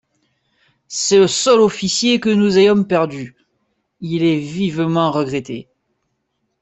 C'est le seul officier que nous ayons perdu : il est vivement regretté.